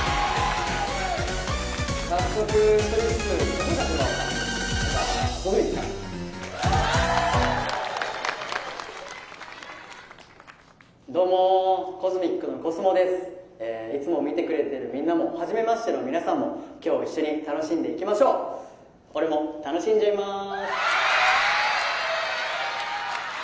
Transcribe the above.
早速１人ずつ自己紹介してもらおうかまずはＣＯＳＭＩＣからどうもＣＯＳＭＩＣのコスモですえいつも見てくれてるみんなもはじめましての皆さんも今日一緒に楽しんでいきましょう俺も楽しんじゃいます